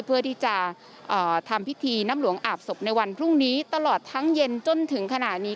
เพื่อที่จะทำพิธีน้ำหลวงอาบศพในวันพรุ่งนี้ตลอดทั้งเย็นจนถึงขณะนี้